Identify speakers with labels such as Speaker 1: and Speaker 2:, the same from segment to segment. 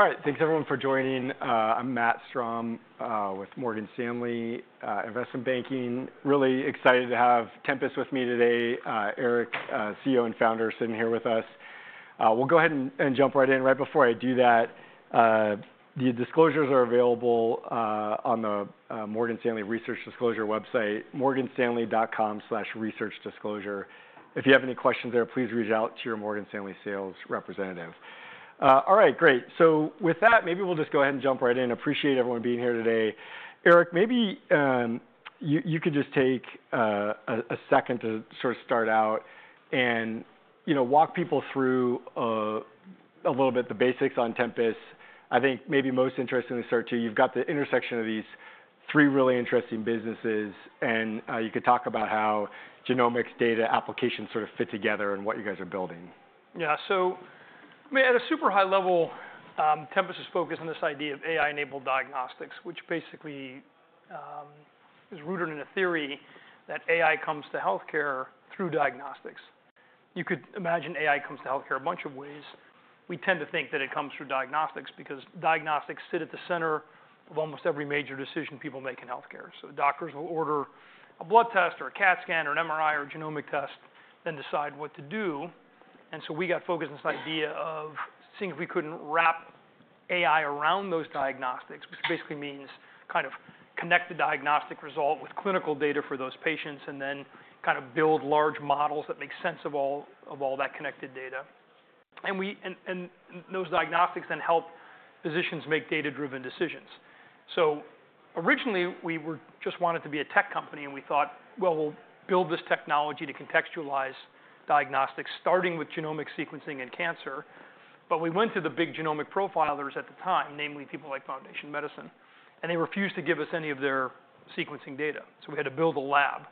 Speaker 1: All right, thanks everyone for joining. I'm Matt Strom with Morgan Stanley Investment Banking. Really excited to have Tempus with me today. Eric, CEO and Founder, sitting here with us. We'll go ahead and jump right in. Right before I do that, the disclosures are available on the Morgan Stanley Research Disclosure website, morganstanley.com/researchdisclosure. If you have any questions there, please reach out to your Morgan Stanley sales representative. All right, great. So with that, maybe we'll just go ahead and jump right in. Appreciate everyone being here today. Eric, maybe you could just take a second to sort of start out and walk people through a little bit of the basics on Tempus. I think maybe most interesting to start to, you've got the intersection of these three really interesting businesses. You could talk about how genomics, data, applications sort of fit together and what you guys are building.
Speaker 2: Yeah, so at a super high level, Tempus is focused on this idea of AI-enabled diagnostics, which basically is rooted in a theory that AI comes to health care through diagnostics. You could imagine AI comes to health care a bunch of ways. We tend to think that it comes through diagnostics because diagnostics sit at the center of almost every major decision people make in health care. So doctors will order a blood test or a CAT scan or an MRI or a genomic test, then decide what to do. And so we got focused on this idea of seeing if we couldn't wrap AI around those diagnostics, which basically means kind of connect the diagnostic result with clinical data for those patients and then kind of build large models that make sense of all that connected data. And those diagnostics then help physicians make data-driven decisions. So originally, we just wanted to be a tech company. And we thought, well, we'll build this technology to contextualize diagnostics, starting with genomic sequencing in cancer. But we went to the big genomic profilers at the time, namely people like Foundation Medicine. And they refused to give us any of their sequencing data. So we had to build a lab.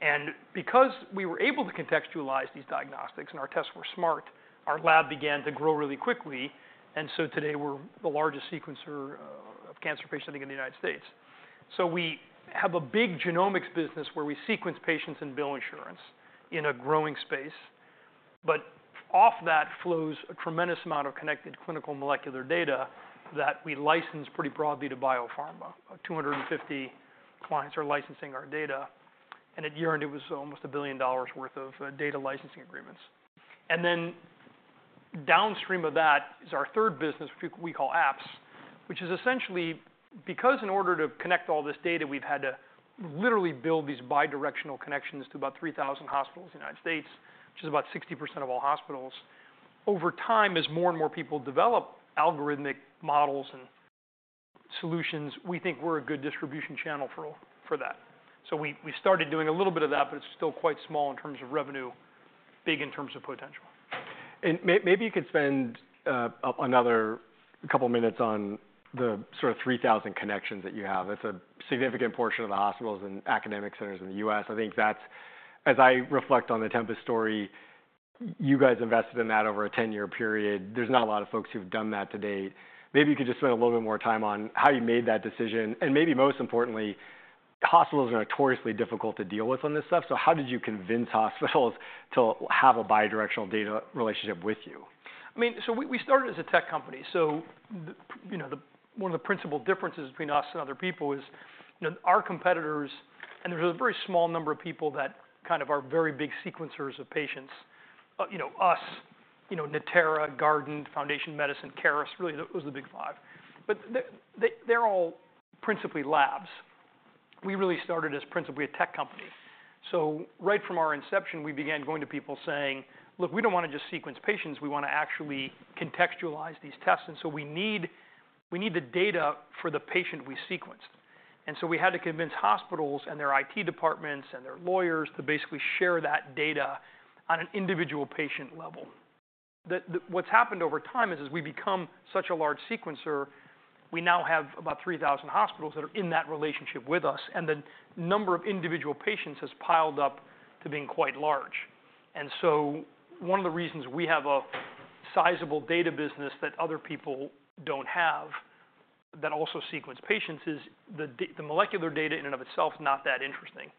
Speaker 2: And because we were able to contextualize these diagnostics and our tests were smart, our lab began to grow really quickly. And so today, we're the largest sequencer of cancer patients, I think, in the United States. So we have a big genomics business where we sequence patients and bill insurance in a growing space. But off that flows a tremendous amount of connected clinical molecular data that we license pretty broadly to biopharma. About 250 clients are licensing our data. At year end, it was almost $1 billion worth of data licensing agreements. Then downstream of that is our third business, which we call apps, which is essentially because in order to connect all this data, we've had to literally build these bidirectional connections to about 3,000 hospitals in the United States, which is about 60% of all hospitals. Over time, as more and more people develop algorithmic models and solutions, we think we're a good distribution channel for that. We started doing a little bit of that, but it's still quite small in terms of revenue, big in terms of potential.
Speaker 1: And maybe you could spend another couple of minutes on the sort of 3,000 connections that you have. That's a significant portion of the hospitals and academic centers in the U.S. I think that's, as I reflect on the Tempus story, you guys invested in that over a 10-year period. There's not a lot of folks who've done that to date. Maybe you could just spend a little bit more time on how you made that decision. And maybe most importantly, hospitals are notoriously difficult to deal with on this stuff. So how did you convince hospitals to have a bidirectional data relationship with you?
Speaker 2: I mean, so we started as a tech company. So one of the principal differences between us and other people is our competitors, and there's a very small number of people that kind of are very big sequencers of patients, us, Natera, Guardant, Foundation Medicine, Caris. Really, it was the big five. But they're all principally labs. We really started as principally a tech company. So right from our inception, we began going to people saying, look, we don't want to just sequence patients. We want to actually contextualize these tests. And so we need the data for the patient we sequenced. And so we had to convince hospitals and their IT departments and their lawyers to basically share that data on an individual patient level. What's happened over time is as we become such a large sequencer, we now have about 3,000 hospitals that are in that relationship with us. And the number of individual patients has piled up to being quite large. And so one of the reasons we have a sizable data business that other people don't have that also sequence patients is the molecular data in and of itself is not that interesting.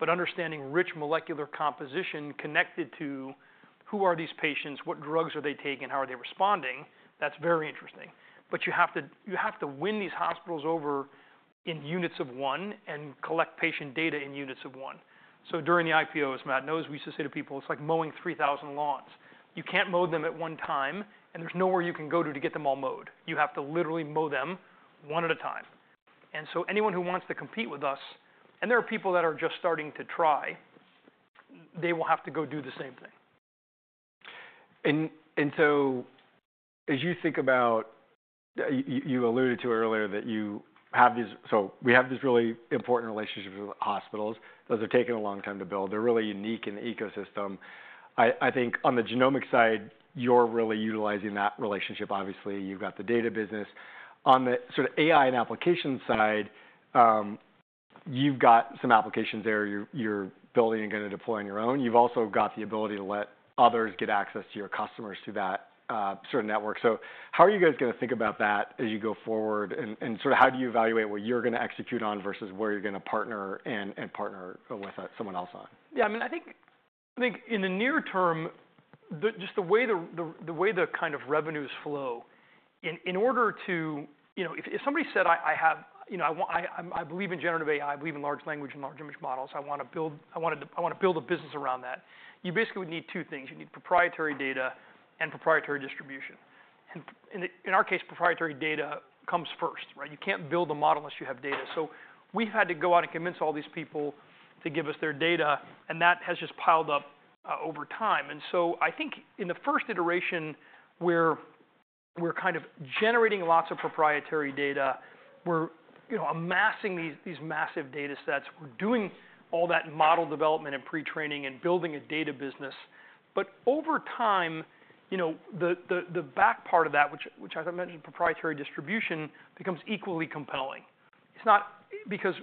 Speaker 2: But understanding rich molecular composition connected to who are these patients, what drugs are they taking, how are they responding, that's very interesting. But you have to win these hospitals over in units of one and collect patient data in units of one. So during the IPO, as Matt knows, we used to say to people, it's like mowing 3,000 lawns. You can't mow them at one time. And there's nowhere you can go to get them all mowed. You have to literally mow them one at a time, and so anyone who wants to compete with us, and there are people that are just starting to try, they will have to go do the same thing.
Speaker 1: As you think about, you alluded to earlier that you have these, so we have these really important relationships with hospitals. Those have taken a long time to build. They're really unique in the ecosystem. I think on the genomic side, you're really utilizing that relationship. Obviously, you've got the data business. On the sort of AI and application side, you've got some applications there you're building and going to deploy on your own. You've also got the ability to let others get access to your customers through that sort of network. So how are you guys going to think about that as you go forward? And sort of how do you evaluate what you're going to execute on versus where you're going to partner and partner with someone else on?
Speaker 2: Yeah, I mean, I think in the near term, just the way the kind of revenues flow, in order to, if somebody said, "I believe in generative AI, I believe in large language and large image models. I want to build a business around that." You basically would need two things. You need proprietary data and proprietary distribution. And in our case, proprietary data comes first. You can't build a model unless you have data. So we've had to go out and convince all these people to give us their data. And that has just piled up over time. And so I think in the first iteration, where we're kind of generating lots of proprietary data, we're amassing these massive data sets. We're doing all that model development and pretraining and building a data business. But over time, the back part of that, which I mentioned, proprietary distribution, becomes equally compelling. It's not because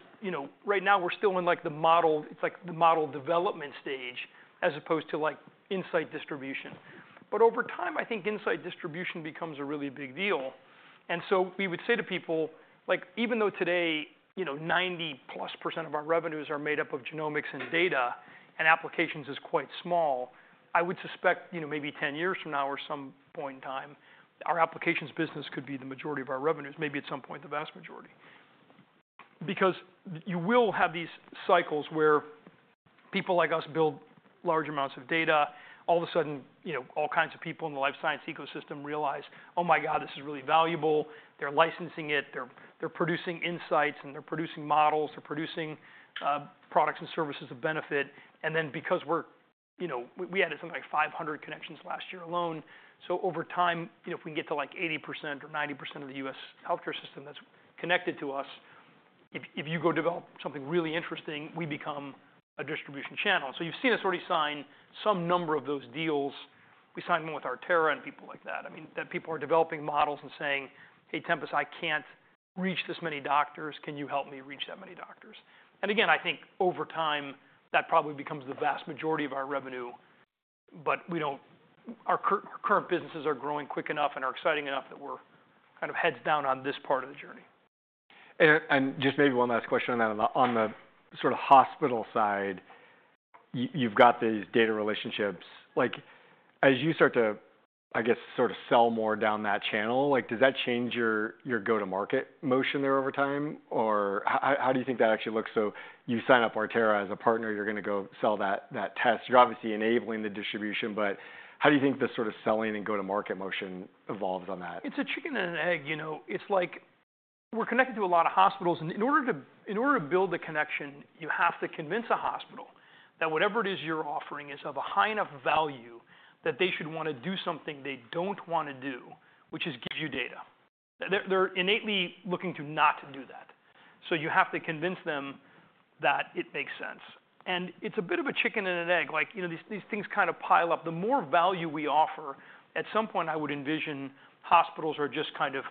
Speaker 2: right now we're still in the model, it's like the model development stage as opposed to insight distribution. But over time, I think insight distribution becomes a really big deal. And so we would say to people, even though today 90% plus of our revenues are made up of genomics and data and applications is quite small, I would suspect maybe 10 years from now or some point in time, our applications business could be the majority of our revenues, maybe at some point the vast majority. Because you will have these cycles where people like us build large amounts of data. All of a sudden, all kinds of people in the life science ecosystem realize, oh my god, this is really valuable. They're licensing it. They're producing insights. And they're producing models. They're producing products and services of benefit. And then because we added something like 500 connections last year alone, so over time, if we can get to like 80% or 90% of the U.S. health care system that's connected to us, if you go develop something really interesting, we become a distribution channel. So you've seen us already sign some number of those deals. We signed one with Artera and people like that, I mean, that people are developing models and saying, "Hey, Tempus, I can't reach this many doctors. Can you help me reach that many doctors?" And again, I think over time, that probably becomes the vast majority of our revenue. But our current businesses are growing quick enough and are exciting enough that we're kind of heads down on this part of the journey.
Speaker 1: Just maybe one last question on that. On the sort of hospital side, you've got these data relationships. As you start to, I guess, sort of sell more down that channel, does that change your go-to-market motion there over time? Or how do you think that actually looks? So you sign up Artera as a partner. You're going to go sell that test. You're obviously enabling the distribution. But how do you think the sort of selling and go-to-market motion evolves on that?
Speaker 2: It's a chicken and an egg. It's like we're connected to a lot of hospitals, and in order to build the connection, you have to convince a hospital that whatever it is you're offering is of a high enough value that they should want to do something they don't want to do, which is give you data. They're innately looking to not do that, so you have to convince them that it makes sense, and it's a bit of a chicken and an egg. These things kind of pile up. The more value we offer, at some point, I would envision hospitals are just kind of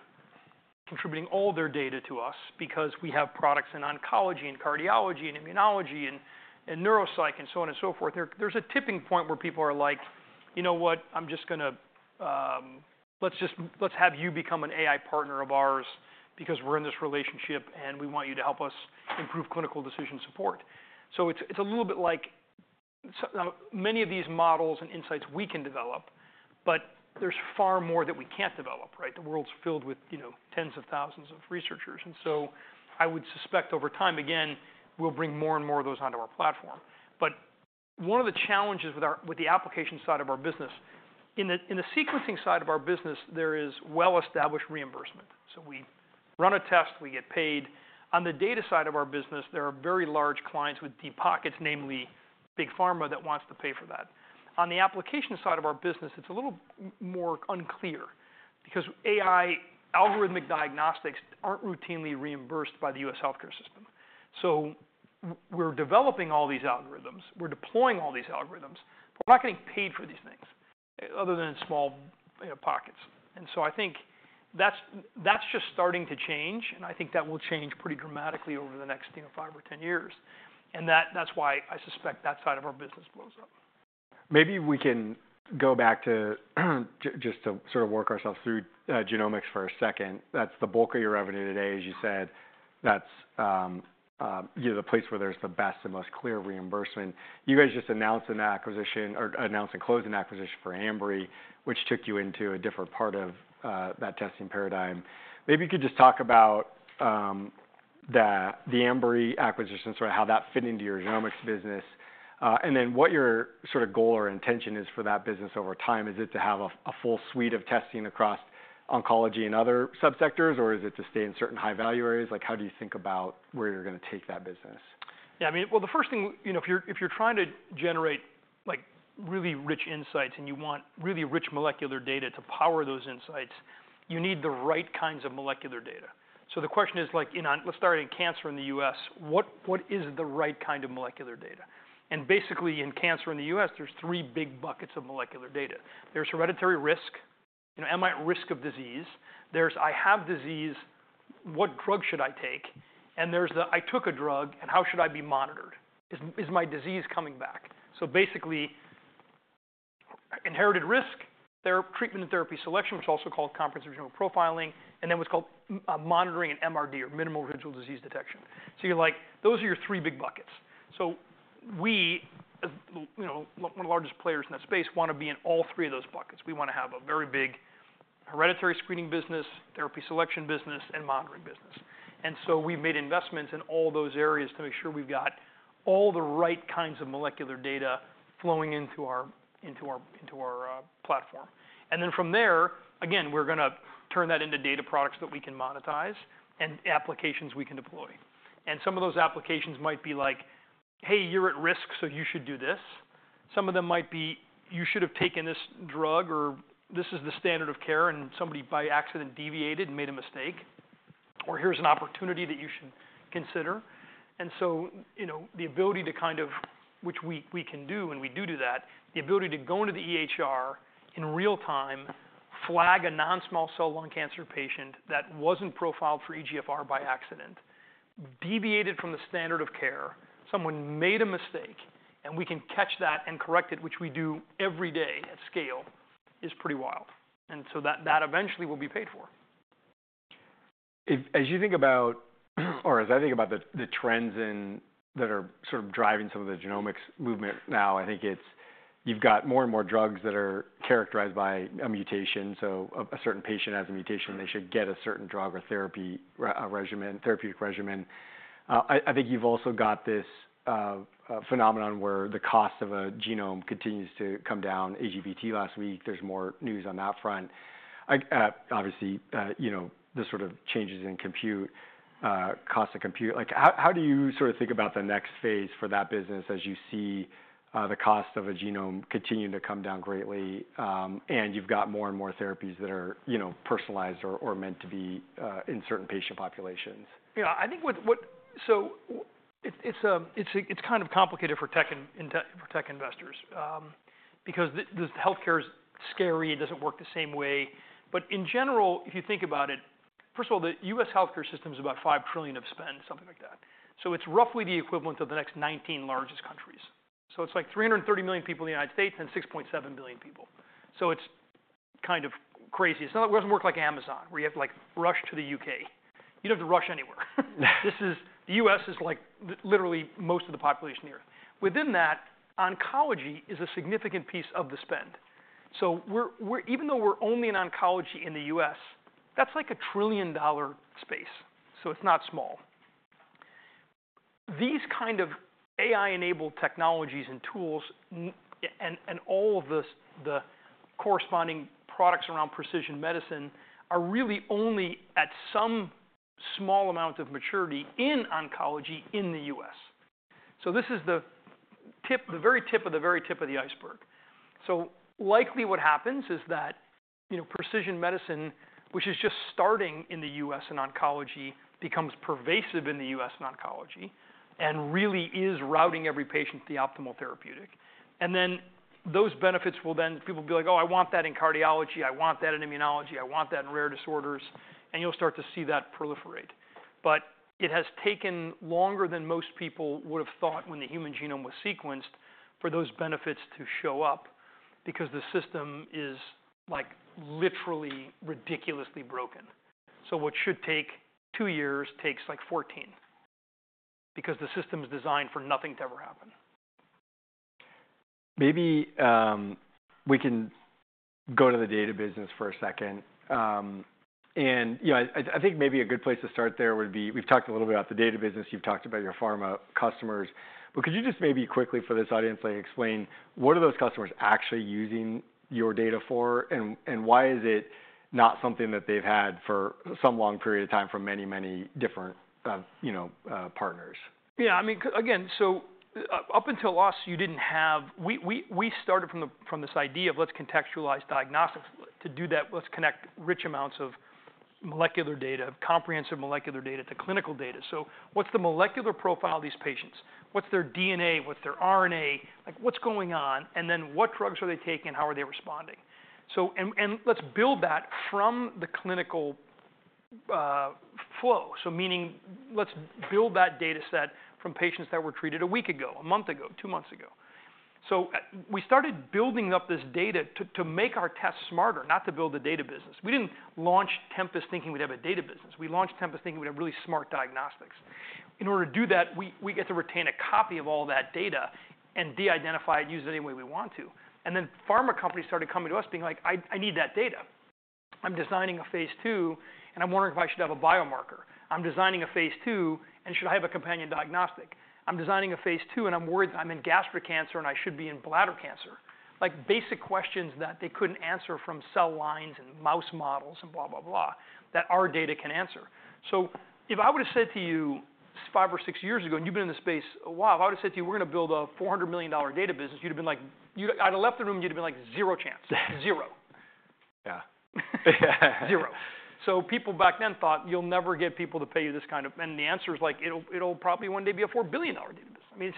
Speaker 2: contributing all their data to us because we have products in oncology and cardiology and immunology and neuropsych and so on and so forth. There's a tipping point where people are like, you know what, I'm just going to, let's have you become an AI partner of ours because we're in this relationship. And we want you to help us improve clinical decision support. So it's a little bit like many of these models and insights we can develop, but there's far more that we can't develop. The world's filled with tens of thousands of researchers. And so I would suspect over time, again, we'll bring more and more of those onto our platform. But one of the challenges with the application side of our business, in the sequencing side of our business, there is well-established reimbursement. So we run a test. We get paid. On the data side of our business, there are very large clients with deep pockets, namely big pharma that wants to pay for that. On the application side of our business, it's a little more unclear because AI algorithmic diagnostics aren't routinely reimbursed by the U.S. health care system. So we're developing all these algorithms. We're deploying all these algorithms. But we're not getting paid for these things other than in small pockets. And so I think that's just starting to change. And I think that will change pretty dramatically over the next five or 10 years. And that's why I suspect that side of our business blows up.
Speaker 1: Maybe we can go back to just to sort of work ourselves through genomics for a second. That's the bulk of your revenue today, as you said. That's the place where there's the best and most clear reimbursement. You guys just announced and closed an acquisition of Ambry, which took you into a different part of that testing paradigm. Maybe you could just talk about the Ambry acquisition, sort of how that fit into your genomics business. And then what your sort of goal or intention is for that business over time? Is it to have a full suite of testing across oncology and other subsectors? Or is it to stay in certain high-value areas? How do you think about where you're going to take that business?
Speaker 2: Yeah, I mean, well, the first thing, if you're trying to generate really rich insights and you want really rich molecular data to power those insights, you need the right kinds of molecular data. So the question is, let's start in cancer in the U.S. What is the right kind of molecular data? And basically, in cancer in the U.S., there's three big buckets of molecular data. There's hereditary risk, am I at risk of disease? There's I have disease, what drug should I take? And there's the I took a drug. And how should I be monitored? Is my disease coming back? So basically, inherited risk, there are treatment and therapy selection, which is also called comprehensive genome profiling, and then what's called monitoring and MRD, or minimal residual disease detection. So you're like, those are your three big buckets. We, one of the largest players in that space, want to be in all three of those buckets. We want to have a very big hereditary screening business, therapy selection business, and monitoring business. And so we've made investments in all those areas to make sure we've got all the right kinds of molecular data flowing into our platform. And then from there, again, we're going to turn that into data products that we can monetize and applications we can deploy. And some of those applications might be like, hey, you're at risk, so you should do this. Some of them might be, you should have taken this drug, or this is the standard of care, and somebody by accident deviated and made a mistake. Or here's an opportunity that you should consider. And so the ability to kind of, which we can do, and we do do that, the ability to go into the EHR in real time, flag a non-small cell lung cancer patient that wasn't profiled for EGFR by accident, deviated from the standard of care, someone made a mistake, and we can catch that and correct it, which we do every day at scale, is pretty wild. And so that eventually will be paid for.
Speaker 1: As you think about, or as I think about the trends that are sort of driving some of the genomics movement now, I think you've got more and more drugs that are characterized by a mutation. So a certain patient has a mutation. They should get a certain drug or therapy regimen, therapeutic regimen. I think you've also got this phenomenon where the cost of a genome continues to come down. AGBT last week. There's more news on that front. Obviously, the sort of changes in compute, cost of compute. How do you sort of think about the next phase for that business as you see the cost of a genome continuing to come down greatly and you've got more and more therapies that are personalized or meant to be in certain patient populations?
Speaker 2: Yeah, I think so. It's kind of complicated for tech investors because health care is scary. It doesn't work the same way. But in general, if you think about it, first of all, the U.S. health care system is about $5 trillion of spend, something like that. So it's roughly the equivalent of the next 19 largest countries. So it's like 330 million people in the United States and 6.7 billion people. So it's kind of crazy. It doesn't work like Amazon, where you have to rush to the U.K. You don't have to rush anywhere. The U.S. is like literally most of the population here. Within that, oncology is a significant piece of the spend. So even though we're only in oncology in the U.S., that's like a $1 trillion space. So it's not small. These kind of AI-enabled technologies and tools and all of the corresponding products around precision medicine are really only at some small amount of maturity in oncology in the U.S. So this is the very tip of the very tip of the iceberg. So likely what happens is that precision medicine, which is just starting in the U.S. and oncology, becomes pervasive in the U.S. and oncology and really is routing every patient to the optimal therapeutic. And then those benefits will, then people will be like, oh, I want that in cardiology. I want that in immunology. I want that in rare disorders. And you'll start to see that proliferate. But it has taken longer than most people would have thought when the human genome was sequenced for those benefits to show up because the system is literally ridiculously broken. What should take two years takes like 14 because the system is designed for nothing to ever happen.
Speaker 1: Maybe we can go to the data business for a second. And I think maybe a good place to start there would be, we've talked a little bit about the data business. You've talked about your pharma customers. But could you just maybe quickly for this audience explain what are those customers actually using your data for? And why is it not something that they've had for some long period of time from many, many different partners?
Speaker 2: Yeah, I mean, again, so up until us, you didn't have. We started from this idea of let's contextualize diagnostics. To do that, let's connect rich amounts of molecular data, comprehensive molecular data to clinical data. So what's the molecular profile of these patients? What's their DNA? What's their RNA? What's going on? And then what drugs are they taking? How are they responding? And let's build that from the clinical flow. So meaning let's build that data set from patients that were treated a week ago, a month ago, two months ago. So we started building up this data to make our tests smarter, not to build the data business. We didn't launch Tempus thinking we'd have a data business. We launched Tempus thinking we'd have really smart diagnostics. In order to do that, we get to retain a copy of all that data and de-identify it and use it any way we want to. And then pharma companies started coming to us being like, I need that data. I'm designing a phase II, and I'm wondering if I should have a biomarker. I'm designing a phase II, and should I have a companion diagnostic? I'm designing a phase II, and I'm worried that I'm in gastric cancer, and I should be in bladder cancer. Basic questions that they couldn't answer from cell lines and mouse models and blah, blah, blah that our data can answer. So, if I would have said to you five or six years ago, and you've been in the space a while, if I would have said to you, we're going to build a $400 million data business, you'd have been like I'd have left the room, and you'd have been like zero chance, zero.
Speaker 1: Yeah.
Speaker 2: Zero. So people back then thought you'll never get people to pay you this kind of, and the answer is like it'll probably one day be a $4 billion data business. I mean,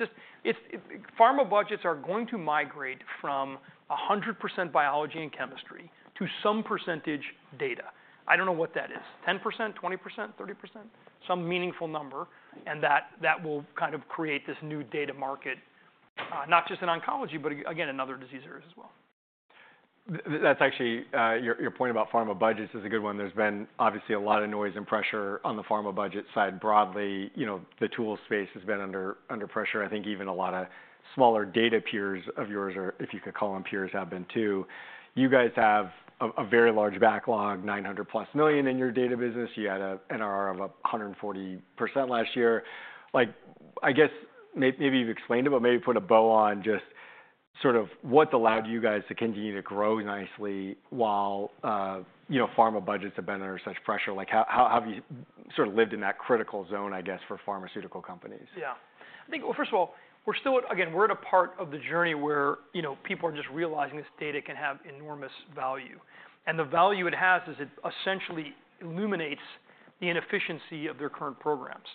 Speaker 2: pharma budgets are going to migrate from 100% biology and chemistry to some percentage data. I don't know what that is, 10%, 20%, 30%, some meaningful number. And that will kind of create this new data market, not just in oncology, but again, in other disease areas as well.
Speaker 1: That's actually your point about pharma budgets is a good one. There's been obviously a lot of noise and pressure on the pharma budget side broadly. The tool space has been under pressure. I think even a lot of smaller data peers of yours, or if you could call them peers, have been too. You guys have a very large backlog, $900+ million in your data business. You had an NRR of 140% last year. I guess maybe you've explained it, but maybe put a bow on just sort of what allowed you guys to continue to grow nicely while pharma budgets have been under such pressure? How have you sort of lived in that critical zone, I guess, for pharmaceutical companies?
Speaker 2: Yeah. I think, well, first of all, we're still, again, we're at a part of the journey where people are just realizing this data can have enormous value. And the value it has is it essentially illuminates the inefficiency of their current programs.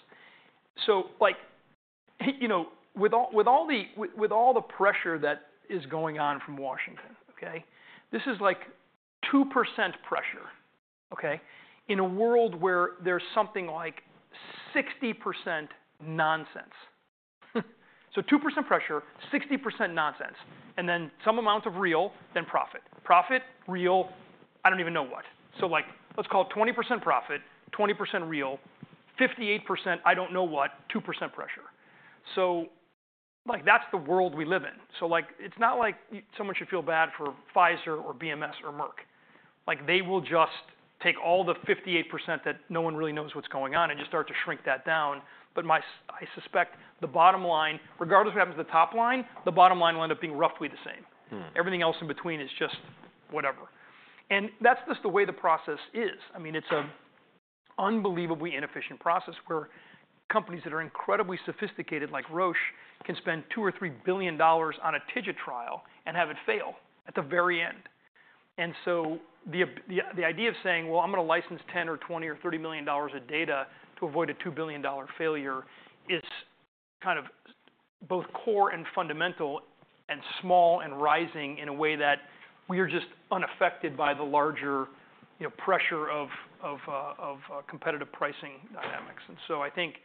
Speaker 2: So with all the pressure that is going on from Washington, this is like 2% pressure in a world where there's something like 60% nonsense. So 2% pressure, 60% nonsense, and then some amount of real, then profit. Profit, real, I don't even know what. So let's call it 20% profit, 20% real, 58% I don't know what, 2% pressure. So that's the world we live in. So it's not like someone should feel bad for Pfizer or BMS or Merck. They will just take all the 58% that no one really knows what's going on and just start to shrink that down. But I suspect the bottom line, regardless of what happens to the top line, the bottom line will end up being roughly the same. Everything else in between is just whatever. And that's just the way the process is. I mean, it's an unbelievably inefficient process where companies that are incredibly sophisticated, like Roche, can spend $2 billion or $3 billion on a pivotal trial and have it fail at the very end. And so the idea of saying, well, I'm going to license $10 million or $20 million or $30 million of data to avoid a $2 billion failure is kind of both core and fundamental and small and rising in a way that we are just unaffected by the larger pressure of competitive pricing dynamics. And so I think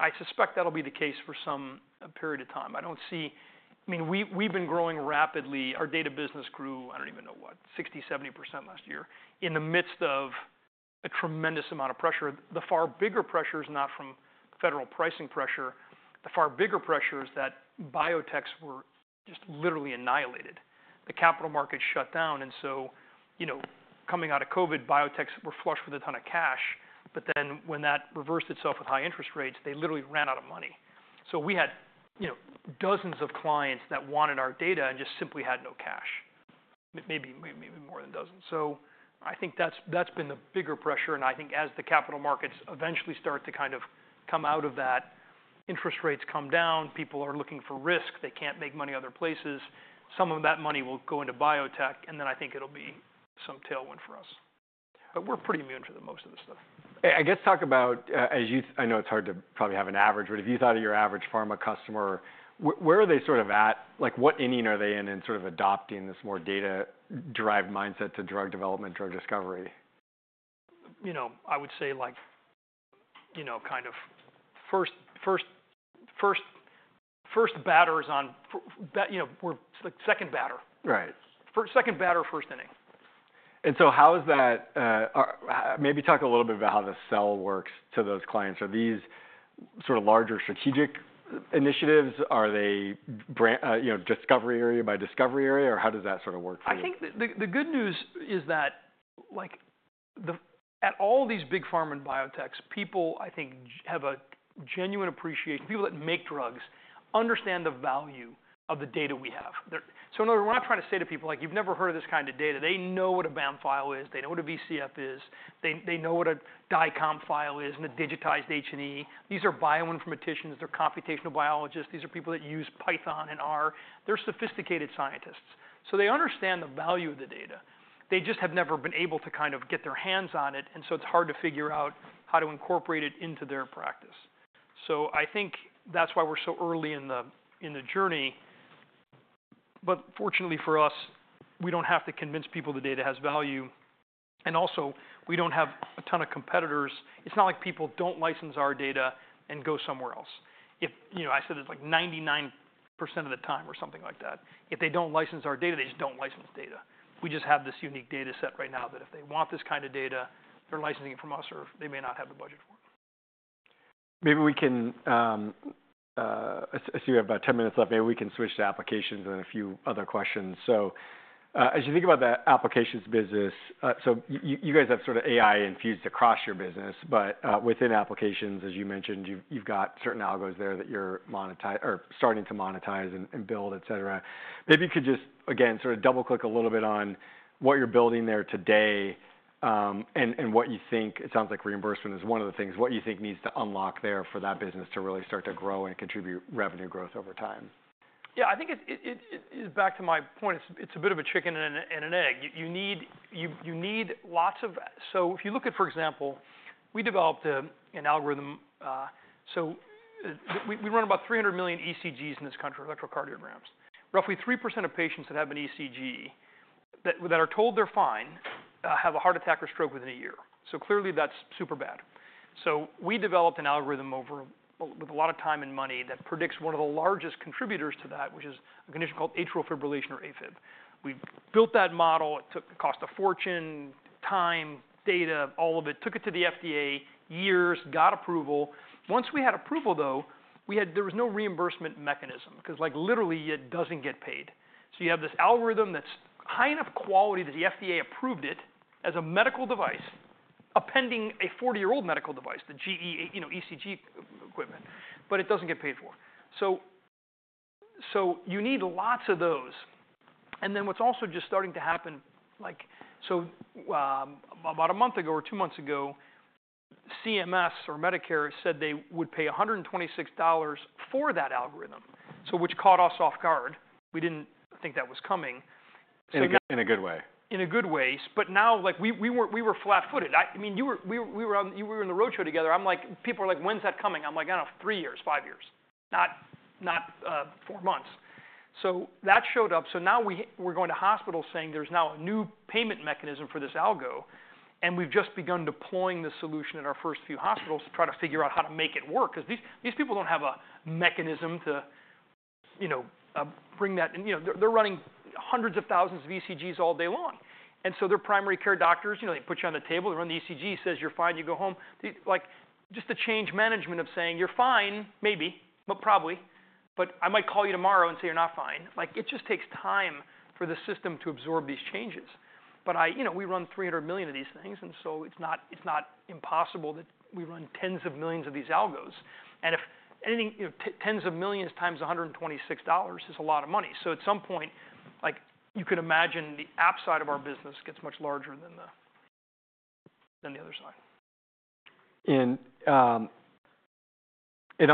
Speaker 2: I suspect that'll be the case for some period of time. I don't see I mean, we've been growing rapidly. Our data business grew, I don't even know what, 60%, 70% last year in the midst of a tremendous amount of pressure. The far bigger pressure is not from federal pricing pressure. The far bigger pressure is that biotechs were just literally annihilated. The capital market shut down. And so coming out of COVID, biotechs were flushed with a ton of cash. But then when that reversed itself with high interest rates, they literally ran out of money. So we had dozens of clients that wanted our data and just simply had no cash, maybe more than dozen. So I think that's been the bigger pressure. And I think as the capital markets eventually start to kind of come out of that, interest rates come down, people are looking for risk. They can't make money other places. Some of that money will go into biotech. And then I think it'll be some tailwind for us. But we're pretty immune to most of this stuff.
Speaker 1: I guess talk about. I know it's hard to probably have an average, but if you thought of your average pharma customer, where are they sort of at? What inning are they in in sort of adopting this more data-driven mindset to drug development, drug discovery?
Speaker 2: I would say kind of first batter is on second batter, first inning.
Speaker 1: And so, how is that? Maybe talk a little bit about how the sale works to those clients. Are these sort of larger strategic initiatives? Are they discovery area by discovery area? Or how does that sort of work for you?
Speaker 2: I think the good news is that at all these big pharma and biotechs, people, I think, have a genuine appreciation. People that make drugs understand the value of the data we have. So in other words, we're not trying to say to people, you've never heard of this kind of data. They know what a BAM file is. They know what a VCF is. They know what a DICOM file is and a digitized H&E. These are bioinformaticians. They're computational biologists. These are people that use Python and R. They're sophisticated scientists. So they understand the value of the data. They just have never been able to kind of get their hands on it. And so it's hard to figure out how to incorporate it into their practice. So I think that's why we're so early in the journey. But fortunately for us, we don't have to convince people the data has value. And also, we don't have a ton of competitors. It's not like people don't license our data and go somewhere else. I said it's like 99% of the time or something like that. If they don't license our data, they just don't license data. We just have this unique data set right now that if they want this kind of data, they're licensing it from us, or they may not have the budget for it.
Speaker 1: Maybe we can. I see we have about 10 minutes left. Maybe we can switch to applications and then a few other questions. So as you think about the applications business, so you guys have sort of AI infused across your business. But within applications, as you mentioned, you've got certain algos there that you're starting to monetize and build, et cetera. Maybe you could just, again, sort of double-click a little bit on what you're building there today and what you think it sounds like reimbursement is one of the things. What do you think needs to unlock there for that business to really start to grow and contribute revenue growth over time?
Speaker 2: Yeah, I think it is back to my point. It's a bit of a chicken and an egg. You need lots of so if you look at, for example, we developed an algorithm. So we run about 300 million ECGs in this country, electrocardiograms. Roughly 3% of patients that have an ECG that are told they're fine have a heart attack or stroke within a year. So clearly, that's super bad. So we developed an algorithm with a lot of time and money that predicts one of the largest contributors to that, which is a condition called atrial fibrillation or AFib. We built that model. It cost a fortune, time, data, all of it. Took it to the FDA years, got approval. Once we had approval, though, there was no reimbursement mechanism because literally, it doesn't get paid. So you have this algorithm that's high enough quality that the FDA approved it as a medical device, appending a 40-year-old medical device, the GE ECG equipment, but it doesn't get paid for. So you need lots of those. And then what's also just starting to happen so about a month ago or two months ago, CMS or Medicare said they would pay $126 for that algorithm, which caught us off guard. We didn't think that was coming. So.
Speaker 1: In a good way.
Speaker 2: In a good way. But now we were flat-footed. I mean, we were in the roadshow together. I'm like, people are like, when's that coming? I'm like, I don't know, three years, five years, not four months. So that showed up. So now we're going to hospitals saying there's now a new payment mechanism for this algo. And we've just begun deploying the solution in our first few hospitals to try to figure out how to make it work because these people don't have a mechanism to bring that. They're running hundreds of thousands of ECGs all day long. And so their primary care doctors, they put you on the table. They run the ECG. It says you're fine. You go home. Just the change management of saying, you're fine, maybe, but probably. But I might call you tomorrow and say you're not fine. It just takes time for the system to absorb these changes, but we run 300 million of these things, and so it's not impossible that we run tens of millions of these algos, and tens of millions times $126 is a lot of money, so at some point, you can imagine the app side of our business gets much larger than the other side.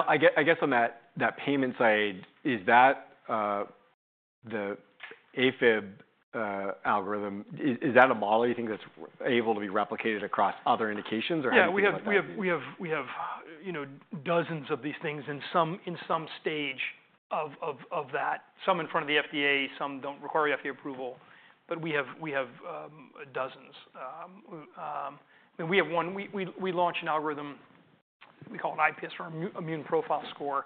Speaker 1: I guess on that payment side, is that the AFib algorithm? Is that a model you think that's able to be replicated across other indications?
Speaker 2: Yeah. We have dozens of these things in some stage of that, some in front of the FDA, some don't require FDA approval. But we have dozens. We launched an algorithm. We call it IPS or Immune Profile Score.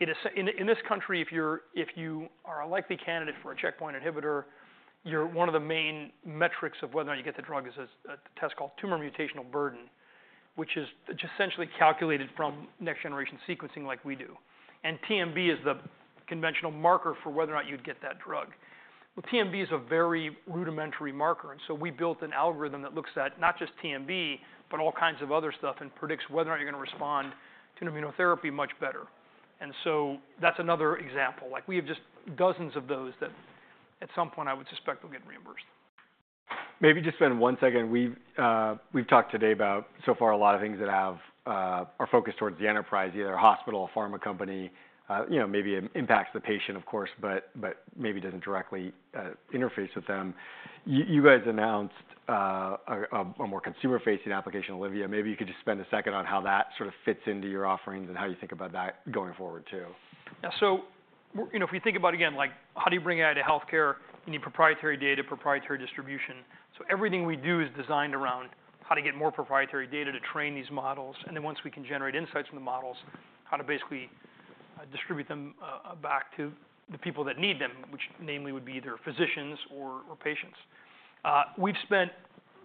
Speaker 2: In this country, if you are a likely candidate for a checkpoint inhibitor, one of the main metrics of whether or not you get the drug is a test called Tumor Mutational Burden, which is essentially calculated from next-generation sequencing like we do. And TMB is the conventional marker for whether or not you'd get that drug. Well, TMB is a very rudimentary marker. And so we built an algorithm that looks at not just TMB, but all kinds of other stuff and predicts whether or not you're going to respond to an immunotherapy much better. And so that's another example. We have just dozens of those that at some point, I would suspect will get reimbursed.
Speaker 1: Maybe just spend one second. We've talked today about so far a lot of things that are focused towards the enterprise, either a hospital, a pharma company, maybe impacts the patient, of course, but maybe doesn't directly interface with them. You guys announced a more consumer-facing application, Olivia. Maybe you could just spend a second on how that sort of fits into your offerings and how you think about that going forward too.
Speaker 2: Yeah. So if we think about, again, how do you bring AI to healthcare? You need proprietary data, proprietary distribution. So everything we do is designed around how to get more proprietary data to train these models. And then once we can generate insights from the models, how to basically distribute them back to the people that need them, which namely would be either physicians or patients. We've spent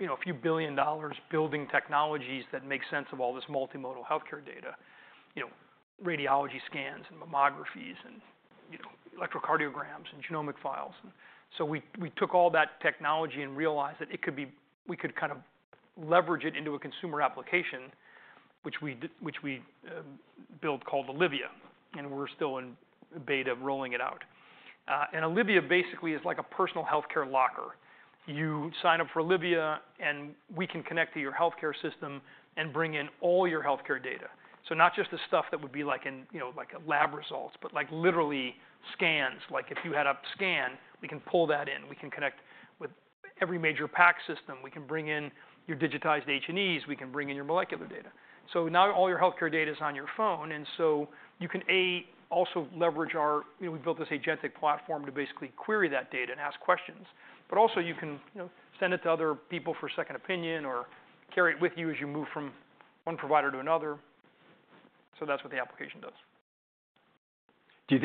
Speaker 2: a few billion dollars building technologies that make sense of all this multimodal healthcare data, radiology scans and mammographies and electrocardiograms and genomic files. So we took all that technology and realized that we could kind of leverage it into a consumer application, which we built called Olivia. And we're still in beta of rolling it out. And Olivia basically is like a personal healthcare locker. You sign up for Olivia, and we can connect to your healthcare system and bring in all your healthcare data. So not just the stuff that would be like lab results, but literally scans. If you had a scan, we can pull that in. We can connect with every major PACS. We can bring in your digitized H&Es. We can bring in your molecular data. So now all your healthcare data is on your phone. And so you can also leverage our we built this agentic platform to basically query that data and ask questions. But also, you can send it to other people for a second opinion or carry it with you as you move from one provider to another. So that's what the application does.
Speaker 1: Does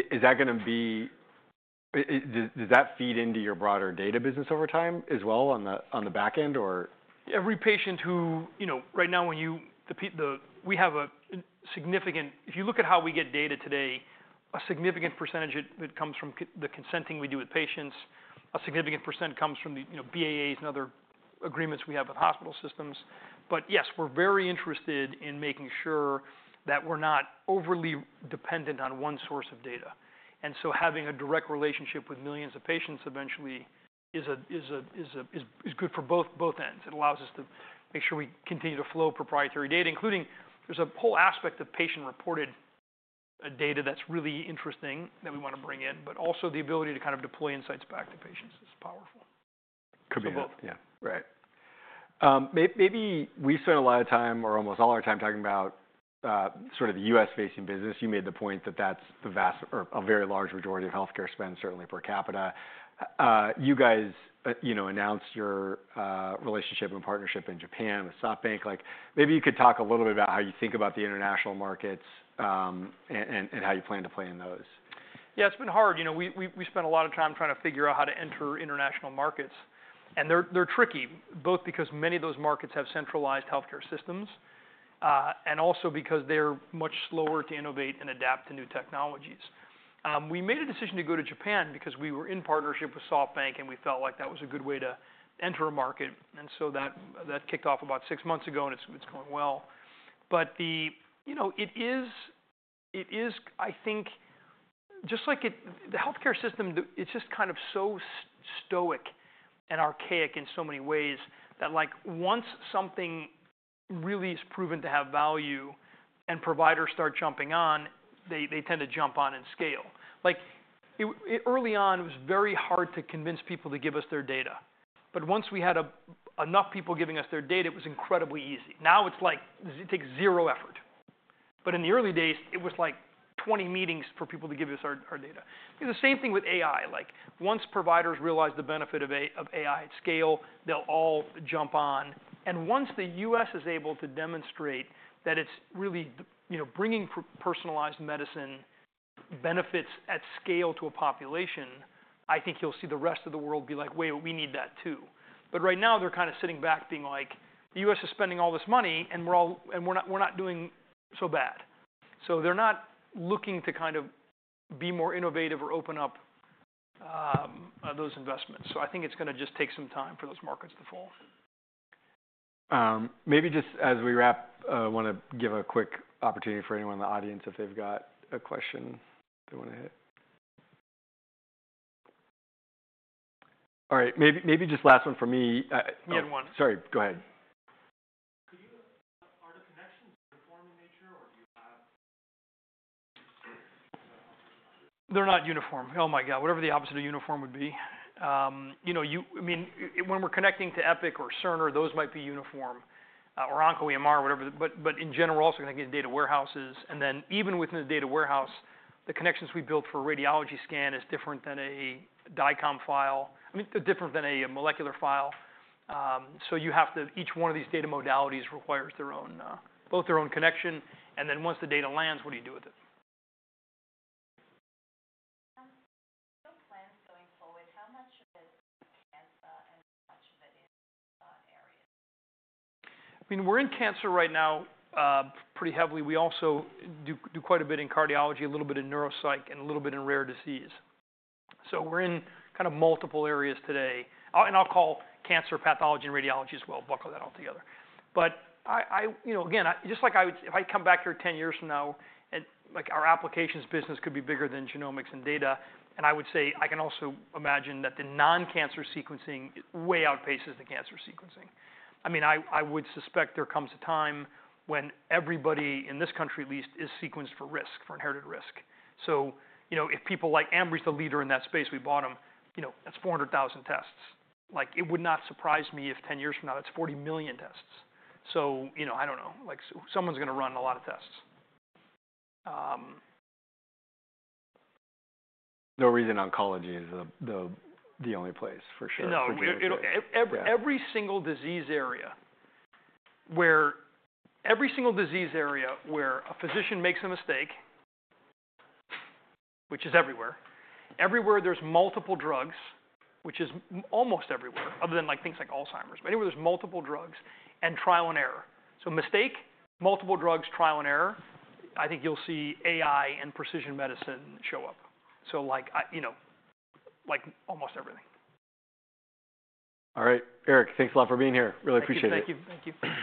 Speaker 1: that feed into your broader data business over time as well on the back end, or?
Speaker 2: Every patient who right now, when you we have a significant if you look at how we get data today, a significant percentage of it comes from the consenting we do with patients. A significant percent comes from the BAAs and other agreements we have with hospital systems. But yes, we're very interested in making sure that we're not overly dependent on one source of data. So having a direct relationship with millions of patients eventually is good for both ends. It allows us to make sure we continue to flow proprietary data, including there's a whole aspect of patient-reported data that's really interesting that we want to bring in, but also the ability to kind of deploy insights back to patients. It's powerful.
Speaker 1: Could be both.
Speaker 2: So both.
Speaker 1: Yeah. Right. Maybe we spend a lot of time or almost all our time talking about sort of the U.S.-facing business. You made the point that that's a very large majority of healthcare spend, certainly per capita. You guys announced your relationship and partnership in Japan with SoftBank. Maybe you could talk a little bit about how you think about the international markets and how you plan to play in those.
Speaker 2: Yeah. It's been hard. We spent a lot of time trying to figure out how to enter international markets, and they're tricky, both because many of those markets have centralized healthcare systems and also because they're much slower to innovate and adapt to new technologies. We made a decision to go to Japan because we were in partnership with SoftBank, and we felt like that was a good way to enter a market, and so that kicked off about six months ago, and it's going well, but it is, I think, just like the healthcare system, it's just kind of so stoic and archaic in so many ways that once something really is proven to have value and providers start jumping on, they tend to jump on and scale. Early on, it was very hard to convince people to give us their data. But once we had enough people giving us their data, it was incredibly easy. Now it's like it takes zero effort. But in the early days, it was like 20 meetings for people to give us our data. The same thing with AI. Once providers realize the benefit of AI at scale, they'll all jump on. And once the U.S. is able to demonstrate that it's really bringing personalized medicine benefits at scale to a population, I think you'll see the rest of the world be like, wait, we need that too. But right now, they're kind of sitting back being like, the U.S. is spending all this money, and we're not doing so bad. So they're not looking to kind of be more innovative or open up those investments. So I think it's going to just take some time for those markets to fall.
Speaker 1: Maybe just as we wrap, I want to give a quick opportunity for anyone in the audience if they've got a question they want to hit. All right. Maybe just last one for me.
Speaker 2: You had one.
Speaker 1: Sorry. Go ahead.
Speaker 2: They're not uniform. Oh my God, whatever the opposite of uniform would be. I mean, when we're connecting to Epic or Cerner, those might be uniform, or OncoEMR, whatever. But in general, also connecting to data warehouses. And then even within the data warehouse, the connections we build for a radiology scan is different than a DICOM file. I mean, they're different than a molecular file. So each one of these data modalities requires both their own connection. And then once the data lands, what do you do with it? Plans going forward, how much of it is cancer and how much of it is areas? I mean, we're in cancer right now pretty heavily. We also do quite a bit in cardiology, a little bit in neuropsych, and a little bit in rare disease, so we're in kind of multiple areas today, and I'll call cancer pathology and radiology as well. I'll buckle that all together, but again, just like if I come back here 10 years from now, our applications business could be bigger than genomics and data, and I would say I can also imagine that the non-cancer sequencing way outpaces the cancer sequencing. I mean, I would suspect there comes a time when everybody in this country, at least, is sequenced for risk, for inherited risk, so if people like Ambry is the leader in that space, we bought them. That's 400,000 tests. It would not surprise me if 10 years from now, that's 40 million tests, so I don't know. Someone's going to run a lot of tests.
Speaker 1: No reason oncology is the only place for sure.
Speaker 2: No. Every single disease area where a physician makes a mistake, which is everywhere. Everywhere there's multiple drugs, which is almost everywhere other than things like Alzheimer's. But anywhere there's multiple drugs and trial and error. So mistake, multiple drugs, trial and error. I think you'll see AI and precision medicine show up. So almost everything.
Speaker 1: All right. Eric, thanks a lot for being here. Really appreciate it.
Speaker 2: Thank you. Thank you.